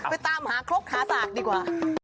ไปตามหาครกหาสากดีกว่า